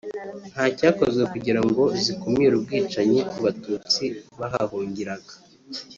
nta cyakozwe kugira ngo zikumire ubwicanyi ku Batutsi bahahungiraga